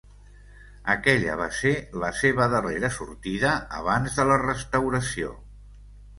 Aquella va ser la seva darrera sortida abans de la restauració.